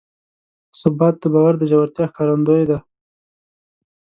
ثبات د باور د ژورتیا ښکارندوی دی.